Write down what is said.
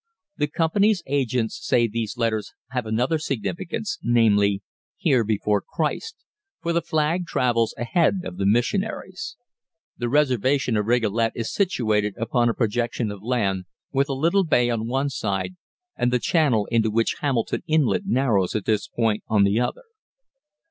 The Company's agents say these letters have another significance, namely, "Here Before Christ," for the flag travels ahead of the missionaries. The reservation of Rigolet is situated upon a projection of land, with a little bay on one side and the channel into which Hamilton Inlet narrows at this point on the other.